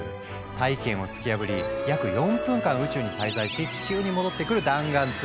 大気圏を突き破り約４分間宇宙に滞在し地球に戻ってくる弾丸ツアー。